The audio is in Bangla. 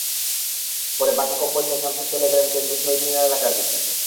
পরে বাকি কম্বল নিয়ে শামসুর চলে গেলেন কেন্দ্রীয় শহীদ মিনার এলাকার দিকে।